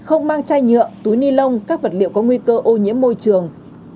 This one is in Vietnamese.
không mang chai nhựa túi ni lông các vật liệu có nguy cơ ô nhiễm môi trường